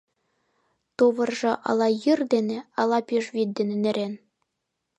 Тувыржо ала йӱр дене, ала пӱжвӱд дене нӧрен.